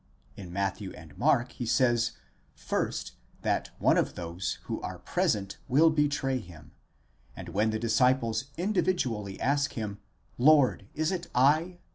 In Matthew and Mark he says, first, that one of those, who are present will betray him ; and when the disciples individually ask him, Lord, is it 1?